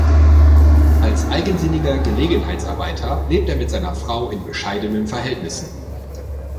Als eigensinniger Gelegenheitsarbeiter lebt er mit seiner Frau in bescheidenen Verhältnissen.